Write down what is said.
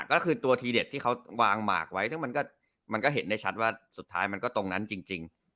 ก็คือตัวทีเด็ดที่เขาวางหมากไว้ซึ่งมันก็เห็นได้ชัดว่าสุดท้ายมันก็ตรงนั้นจริง